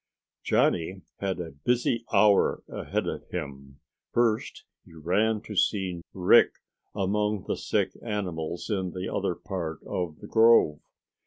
Johnny had a busy hour ahead of him. First he ran to see Rick among the sick animals in the other part of the grove.